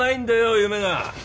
夢が！